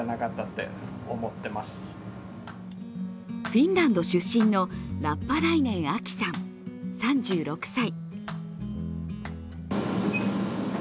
フィンランド出身のラッパライネン・アキさん、３６歳。